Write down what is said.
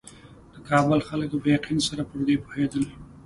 د کابل خلک په یقین سره پر دې پوهېدل.